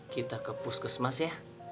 kita ke puskesmas ya